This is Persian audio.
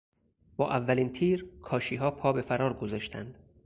با اولین تیر، کاشیها پا به فرار گذاشتند.